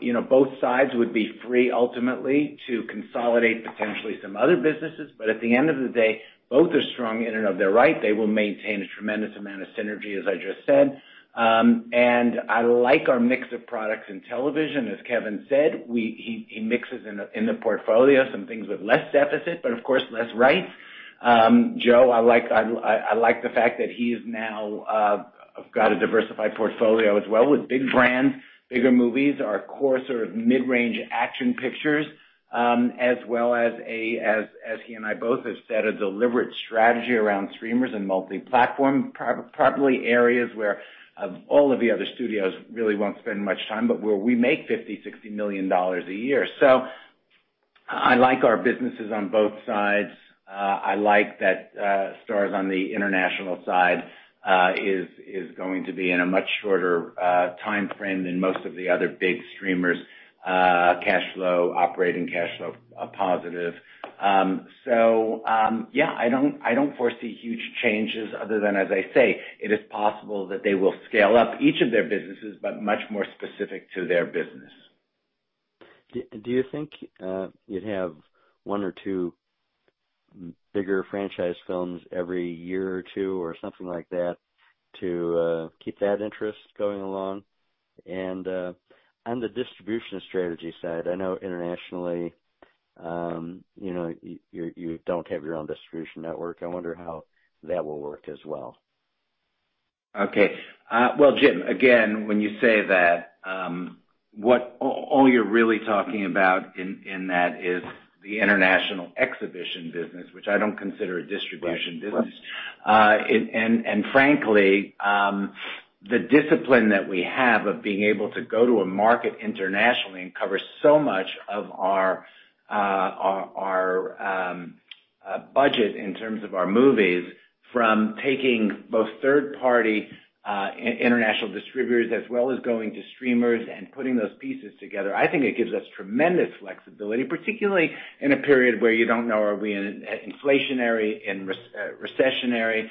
S3: you know, both sides would be free ultimately to consolidate potentially some other businesses. At the end of the day, both are strong in and of themselves. They will maintain a tremendous amount of synergy, as I just said. I like our mix of products in television. As Kevin said, he mixes in the portfolio some things with less deficit, but of course, less rights. Joe, I like the fact that he is now got a diversified portfolio as well with big brands, bigger movies. Our core sort of mid-range action pictures, as well as he and I both have said, a deliberate strategy around streamers and multi-platform. Probably areas where of all of the other studios really won't spend much time, but where we make $50-$60 million a year. I like our businesses on both sides. I like that, Starz on the international side is going to be in a much shorter timeframe than most of the other big streamers, operating cash flow positive. Yeah, I don't foresee huge changes other than, as I say, it is possible that they will scale up each of their businesses, but much more specific to their business.
S16: Do you think you'd have one or two bigger franchise films every year or two or something like that to keep that interest going along? On the distribution strategy side, I know internationally, you know, you don't have your own distribution network. I wonder how that will work as well.
S3: Okay. Well, Jim, again, when you say that, all you're really talking about in that is the international exhibition business, which I don't consider a distribution business.
S16: Right.
S3: Frankly, the discipline that we have of being able to go to a market internationally and cover so much of our budget in terms of our movies from taking both third-party international distributors as well as going to streamers and putting those pieces together. I think it gives us tremendous flexibility, particularly in a period where you don't know, are we in inflationary and recessionary?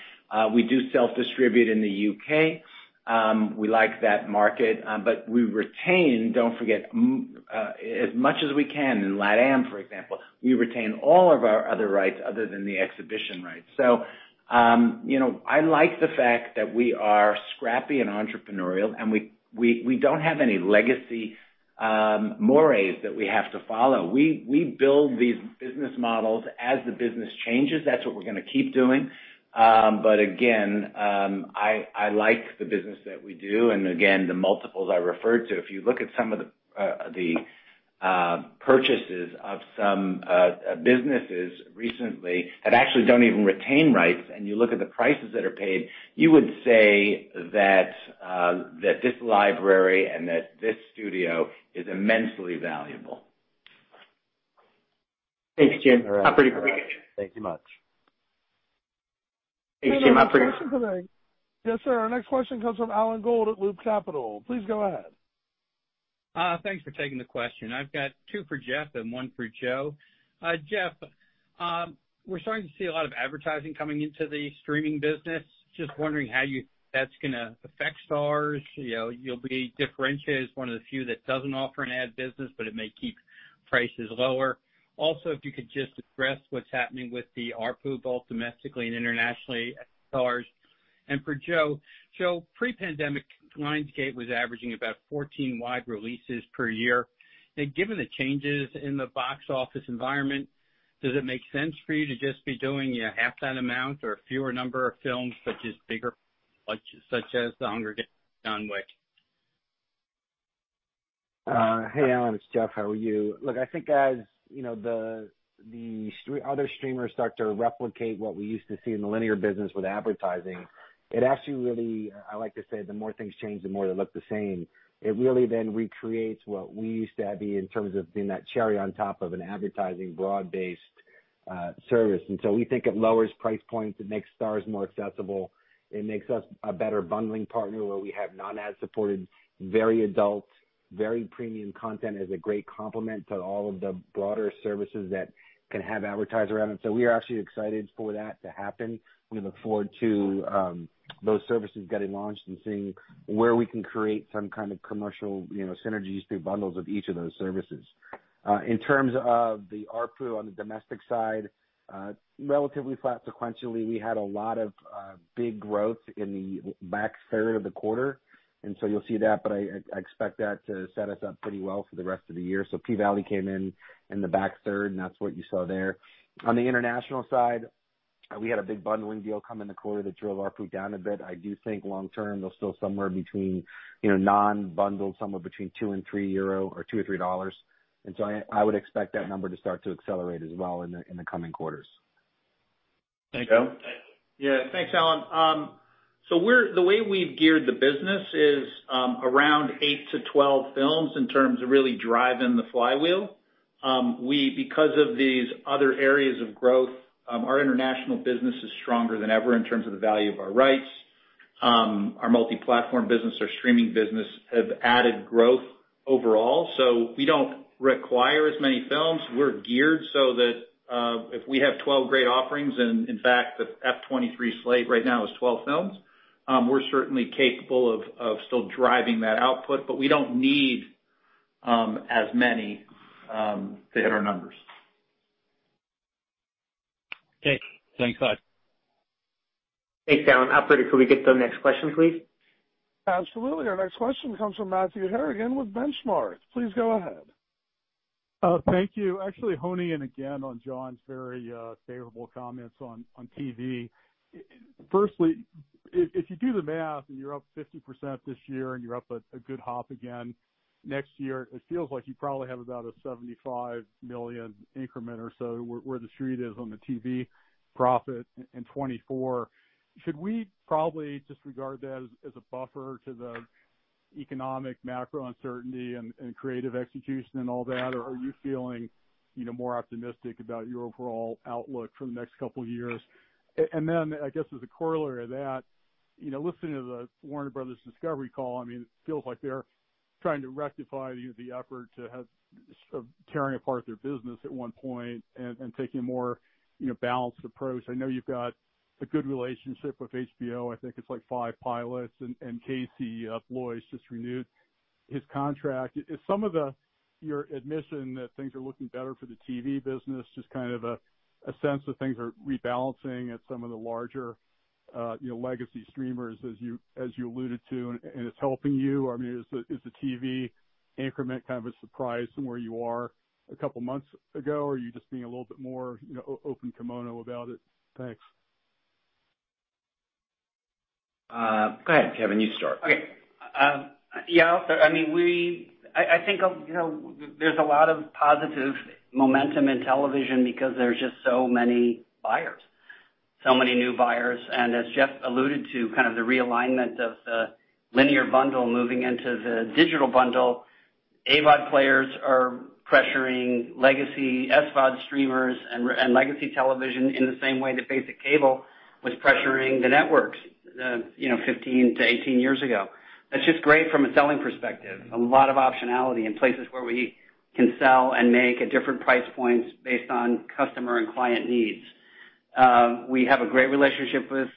S3: We do self-distribute in the U.K. We like that market, but we retain, don't forget, as much as we can in LATAM, for example. We retain all of our other rights other than the exhibition rights. You know, I like the fact that we are scrappy and entrepreneurial and we don't have any legacy mores that we have to follow. We build these business models as the business changes. That's what we're gonna keep doing. I like the business that we do. Again, the multiples I referred to. If you look at some of the purchases of some businesses recently that actually don't even retain rights, and you look at the prices that are paid, you would say that this library and that this studio is immensely valuable.
S2: Thanks, Jim.
S16: Thank you much.
S2: Thank you, Jim.
S1: Yes, sir. Our next question comes from Alan Gould at Loop Capital. Please go ahead.
S17: Thanks for taking the question. I've got two for Jeff and one for Joe. Jeff, we're starting to see a lot of advertising coming into the streaming business. Just wondering how that's gonna affect Starz. You know, you'll be differentiated as one of the few that doesn't offer an ad business, but it may keep prices lower. Also, if you could just address what's happening with the ARPU, both domestically and internationally at Starz. For Joe. Joe, pre-pandemic, Lionsgate was averaging about 14 wide releases per year. Now, given the changes in the box office environment, does it make sense for you to just be doing half that amount or a fewer number of films, but just bigger budgets such as The Hunger Games, John Wick?
S6: Hey, Alan, it's Jeff. How are you? Look, I think, you know, other streamers start to replicate what we used to see in the linear business with advertising. It actually really, I like to say, the more things change, the more they look the same. It really then recreates what we used to have in terms of being that cherry on top of an advertising broad base. Service. We think it lowers price points. It makes Starz more accessible. It makes us a better bundling partner where we have non-ad supported, very adult, very premium content as a great complement to all of the broader services that can have advertising on it. We are actually excited for that to happen. We look forward to those services getting launched and seeing where we can create some kind of commercial, you know, synergies through bundles of each of those services. In terms of the ARPU on the domestic side, relatively flat sequentially, we had a lot of big growth in the back third of the quarter, you'll see that, but I expect that to set us up pretty well for the rest of the year. P-Valley came in the back third, and that's what you saw there. On the international side, we had a big bundling deal come in the quarter that drove ARPU down a bit. I do think long term, they'll still somewhere between, you know, non-bundled, somewhere between 2 and 3 euro or $2 and $3. I would expect that number to start to accelerate as well in the coming quarters.
S17: Thank you.
S14: Yeah. Thanks, Alan. The way we've geared the business is around eight to 12 films in terms of really driving the flywheel. Because of these other areas of growth, our international business is stronger than ever in terms of the value of our rights. Our multi-platform business, our streaming business have added growth overall. We don't require as many films. We're geared so that if we have 12 great offerings and in fact the F23 slate right now is 12 films, we're certainly capable of still driving that output, but we don't need as many to hit our numbers.
S17: Okay. Thanks, Joe.
S2: Thanks, Alan. Operator, could we get the next question, please?
S1: Absolutely. Our next question comes from Matthew Harrigan with Benchmark. Please go ahead.
S18: Thank you. Actually honing in again on Jon's very favorable comments on TV. Firstly, if you do the math and you're up 50% this year and you're up a good pop again next year, it feels like you probably have about a $75 million increment or so where the Street is on the TV profit in 2024. Should we probably disregard that as a buffer to the economic macro uncertainty and creative execution and all that? Or are you feeling, you know, more optimistic about your overall outlook for the next couple years? Then I guess as a corollary to that, you know, listening to the Warner Bros. Discovery call, I mean, it feels like they're trying to rectify the effort to have. Of tearing apart their business at one point and taking a more, you know, balanced approach. I know you've got a good relationship with HBO. I think it's like five pilots and Casey Bloys just renewed his contract. Is some of your admission that things are looking better for the TV business just kind of a sense that things are rebalancing at some of the larger, you know, legacy streamers as you alluded to, and it's helping you? I mean, is the TV increment kind of a surprise from where you are a couple months ago, or are you just being a little bit more, you know, open kimono about it? Thanks.
S3: Go ahead, Kevin. You start.
S12: I mean, I think, you know, there's a lot of positive momentum in television because there's just so many buyers, so many new buyers, and as Jeffrey alluded to, kind of the realignment of the linear bundle moving into the digital bundle, AVOD players are pressuring legacy SVOD streamers and legacy television in the same way that basic cable was pressuring the networks, you know, 15-18 years ago. That's just great from a selling perspective. A lot of optionality in places where we can sell and make at different price points based on customer and client needs. We have a great relationship with,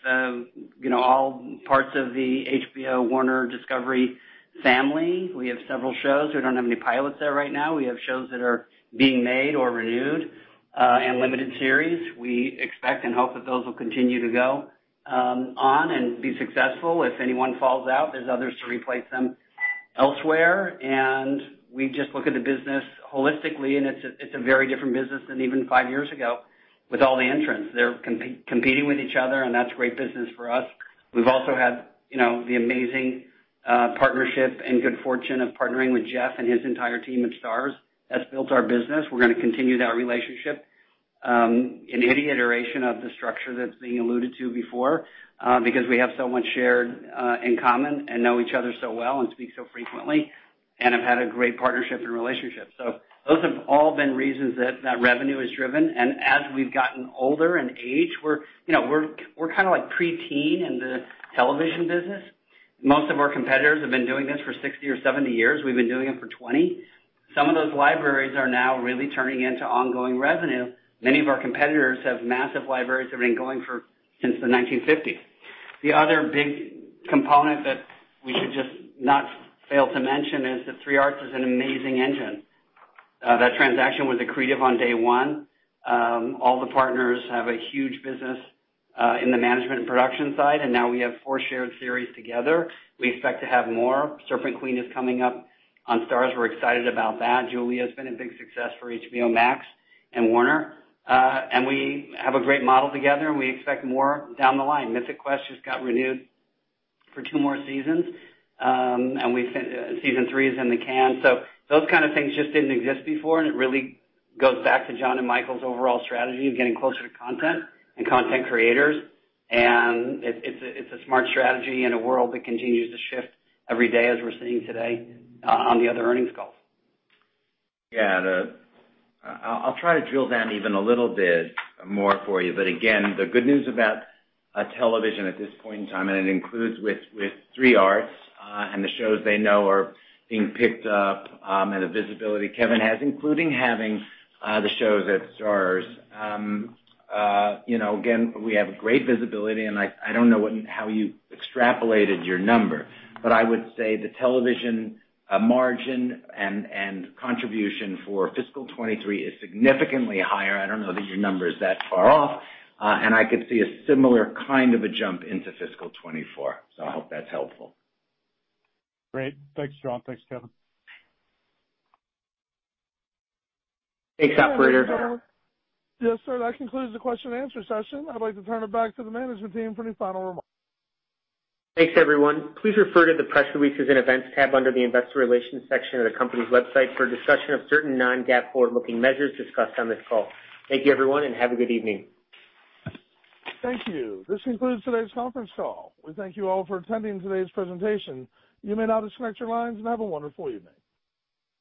S12: you know, all parts of the HBO Warner Bros. Discovery family. We have several shows. We don't have any pilots there right now. We have shows that are being made or renewed and limited series. We expect and hope that those will continue to go on and be successful. If anyone falls out, there's others to replace them elsewhere. We just look at the business holistically, and it's a very different business than even five years ago with all the entrants. They're competing with each other, and that's great business for us. We've also had, you know, the amazing partnership and good fortune of partnering with Jeff and his entire team of Starz that's built our business. We're gonna continue that relationship in any iteration of the structure that's being alluded to before because we have so much shared in common and know each other so well and speak so frequently and have had a great partnership and relationship. Those have all been reasons that that revenue is driven. As we've gotten older in age, we're kinda like pre-teen in the television business. Most of our competitors have been doing this for 60 or 70 years. We've been doing it for 20. Some of those libraries are now really turning into ongoing revenue. Many of our competitors have massive libraries that have been going since the 1950s. The other big component that we should just not fail to mention is that 3 Arts is an amazing engine. That transaction was accretive on day one. All the partners have a huge business in the management and production side, and now we have four shared series together. We expect to have more. The Serpent Queen is coming up on Starz. We're excited about that. Julia's been a big success for HBO Max and Warner. We have a great model together, and we expect more down the line. Mythic Quest just got renewed for two more seasons. Season 3 is in the can. Those kind of things just didn't exist before, and it really goes back to Jon and Michael's overall strategy of getting closer to content and content creators. It's a smart strategy in a world that continues to shift every day as we're seeing today on the other earnings calls.
S3: Yeah. I'll try to drill down even a little bit more for you. Again, the good news about television at this point in time, and it includes with 3 Arts and the shows they know are being picked up, and the visibility Kevin has, including having the shows at Starz. You know, again, we have great visibility, and I don't know how you extrapolated your number. I would say the television margin and contribution for fiscal 2023 is significantly higher. I don't know that your number is that far off. I could see a similar kind of a jump into fiscal 2024. I hope that's helpful.
S18: Great. Thanks, Jon. Thanks, Kevin.
S2: Thanks, operator.
S1: Yes, sir. That concludes the question and answer session. I'd like to turn it back to the management team for any final remarks.
S2: Thanks, everyone. Please refer to the press releases and events tab under the investor relations section of the company's website for a discussion of certain non-GAAP forward-looking measures discussed on this call. Thank you, everyone, and have a good evening.
S1: Thank you. This concludes today's conference call. We thank you all for attending today's presentation. You may now disconnect your lines and have a wonderful evening.